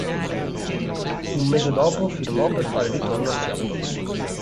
Un mese dopo firmò per fare ritorno a Seattle.